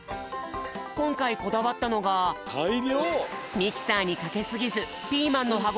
こんかいこだわったのがミキサーにかけすぎずなるほどなるほど。